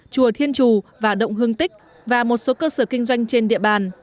chùa thiên trù và động hương tích và một số cơ sở kinh doanh trên địa bàn